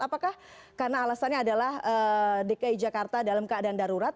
apakah karena alasannya adalah dki jakarta dalam keadaan darurat